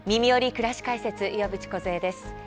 くらし解説」岩渕梢です。